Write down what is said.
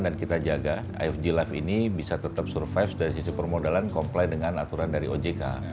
dan kita jaga ifg life ini bisa tetap survive dari sisi permodalan comply dengan aturan dari ojk